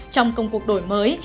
trong công cuộc đổi mới